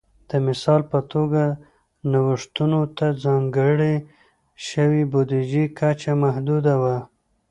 د مثال په توګه نوښتونو ته ځانګړې شوې بودیجې کچه محدوده وه